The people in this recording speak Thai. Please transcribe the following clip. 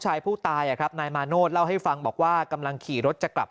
ชายผู้ตายครับนายมาโนธเล่าให้ฟังบอกว่ากำลังขี่รถจะกลับ